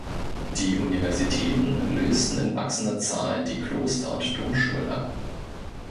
Die Universitäten lösten in wachsender Zahl die Kloster- und Domschulen ab.